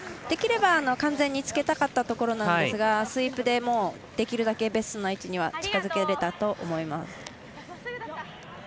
できれば、完全につけたかったところなんですがスイープでできるだけベストな位置には近づけられたとは思います。